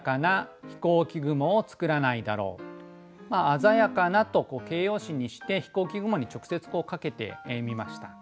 「鮮やかな」と形容詞にして「飛行機雲」に直接かけてみました。